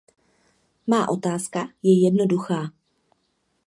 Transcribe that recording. Má otázka je jednoduchá.